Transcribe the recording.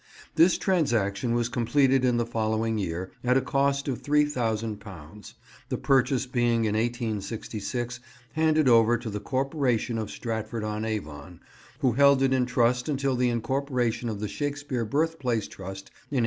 This transaction was completed in the following year, at a cost of £3000, the purchase being in 1866 handed over to the Corporation of Stratford on Avon, who held it in trust until the incorporation of the Shakespeare Birthplace Trust in 1891.